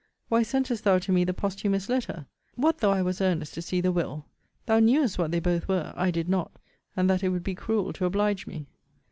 Why sentest thou to me the posthumous letter? What thou I was earnest to see the will? thou knewest what they both were [I did not]; and that it would be cruel to oblige me.